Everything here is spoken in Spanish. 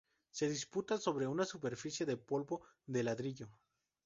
Se disputa sobre una superficie de polvo de ladrillo.